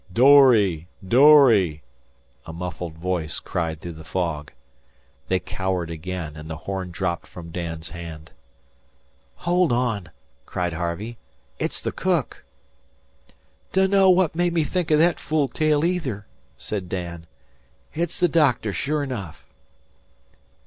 "Dory! dory!" a muffled voice cried through the fog. They cowered again, and the horn dropped from Dan's hand. "Hold on!" cried Harvey; "it's the cook." "Dunno what made me think o' thet fool tale, either," said Dan. "It's the doctor, sure enough."